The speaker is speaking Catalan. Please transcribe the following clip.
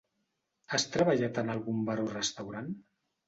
Has treballat en algun bar o restaurant?